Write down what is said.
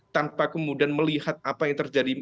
tanpa kemudian melihat apa yang terjadi